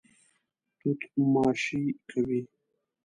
توت ماشې کوي.